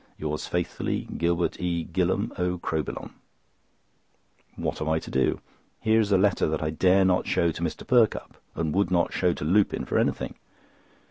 —Yours faithfully, Gilbert E. Gillam O. Crowbillon." What am I to do? Here is a letter that I dare not show to Mr. Perkupp, and would not show to Lupin for anything.